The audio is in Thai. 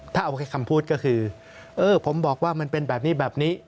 ถ้าเอาแค่คำพูดก็คือเออผมบอกว่ามันเป็นแบบนี้แบบนี้